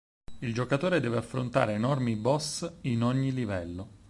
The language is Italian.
Il giocatore deve affrontare enormi boss in ogni livello.